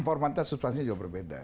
formatnya situasinya juga berbeda